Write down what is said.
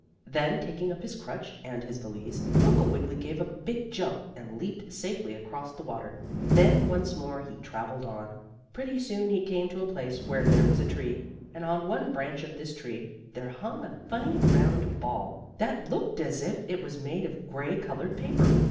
Then, taking up his crutch and his valise, Uncle Wiggily gave a big jump, and leaped safely across the water. Then, once more, he traveled on. Pretty soon he came to a place where there was a tree, and on one branch of this tree there hung a funny round ball, that looked as if it was made of gray colored paper.